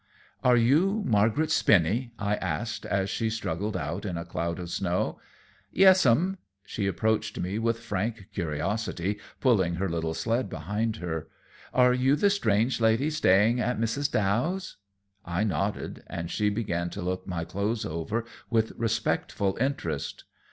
"Are you Margaret Spinny?" I asked as she struggled out in a cloud of snow. "Yes, 'm." She approached me with frank curiosity, pulling her little sled behind her. "Are you the strange lady staying at Mrs. Dow's?" I nodded, and she began to look my clothes over with respectful interest.